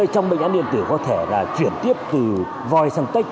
trong bệnh án điện tử có thể là chuyển tiếp từ voi sang tech